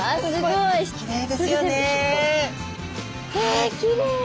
えきれい！